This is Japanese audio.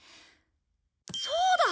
そうだ！